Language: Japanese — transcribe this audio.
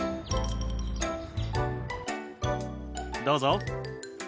どうぞ。